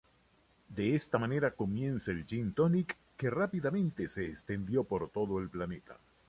De esta manera comienza el gin-tonic, que rápidamente se extendió por todo el planeta.